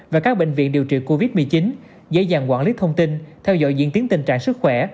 và các bệnh viện điều trị covid một mươi chín dễ dàng quản lý thông tin theo dõi diễn tiến tình trạng sức khỏe